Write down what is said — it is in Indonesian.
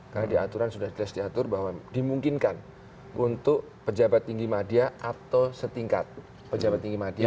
karena di aturan sudah jelas diatur bahwa dimungkinkan untuk pejabat tinggi media atau setingkat pejabat tinggi media